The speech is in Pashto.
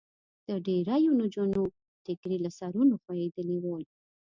د ډېریو نجونو ټیکري له سرونو خوېدلي ول.